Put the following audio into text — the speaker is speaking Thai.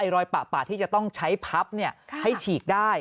รอยปะที่จะต้องใช้พับให้ฉีกได้